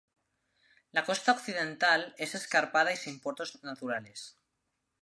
La costa occidental es escarpada y sin puertos naturales.